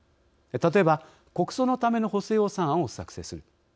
例えば、国葬のための補正予算案を作成する。